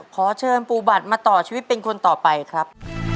ขอเชิญปูบัตรมาต่อชีวิตเป็นคนต่อไปครับ